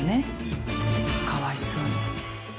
かわいそうに。